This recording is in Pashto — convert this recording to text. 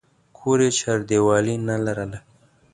کور یې چاردیوالي نه لرله.